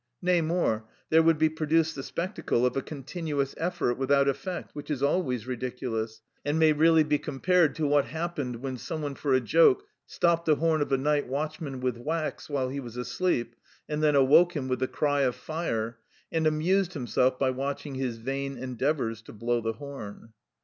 Nay more, there would be produced the spectacle of a continuous effort without effect, which is always ridiculous, and may really be compared to what happened when some one for a joke stopped the horn of a night watchman with wax while he was asleep, and then awoke him with the cry of fire, and amused himself by watching his vain endeavours to blow the horn.